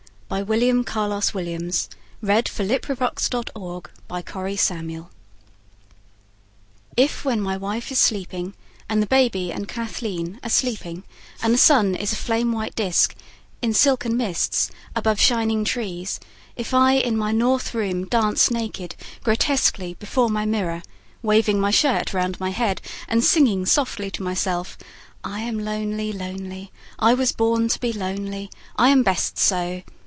I said petals from an appletree. William Carlos Williams Danse Russe IF when my wife is sleeping and the baby and Kathleen are sleeping and the sun is a flame white disc in silken mists above shining trees, if I in my north room dance naked, grotesquely before my mirror waving my shirt round my head and singing softly to myself: "I am lonely, lonely. I was born to be lonely, I am best so!"